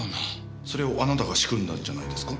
それをあなたが仕組んだんじゃないですか？